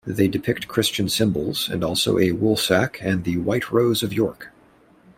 They depict Christian symbols and also a woolsack and the White Rose of York.